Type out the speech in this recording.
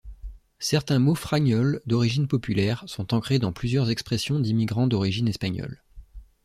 Certains mots fragnols d'origine populaire sont ancrés dans plusieurs expressions d'immigrants d'origine espagnole.